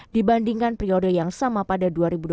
dibandingkan periode yang sama pada dua ribu dua puluh